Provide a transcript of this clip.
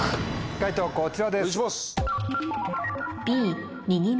解答こちらです。